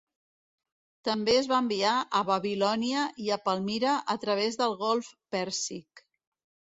També es va enviar a Babilònia i a Palmira a través del Golf Pèrsic.